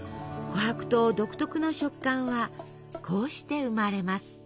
琥珀糖独特の食感はこうして生まれます。